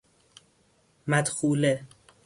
مدخوله